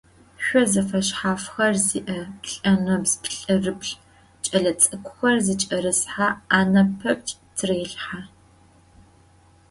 Шъо зэфэшъхьафхэр зиӏэ плӏэнэбз плӏырыплӏ кӏэлэцӏыкӏухэр зыкӏэрысхэ ӏанэ пэпчъы тырелъхьэ.